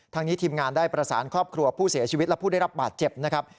นี้ทีมงานได้ประสานครอบครัวผู้เสียชีวิตและผู้ได้รับบาดเจ็บนะครับ